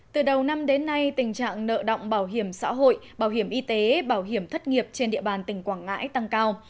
từ đầu năm đến nay tình trạng nợ động bảo hiểm xã hội bảo hiểm y tế bảo hiểm thất nghiệp trên địa bàn tỉnh quảng ngãi tăng cao